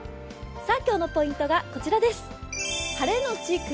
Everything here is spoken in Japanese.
今日のポイントがこちらです。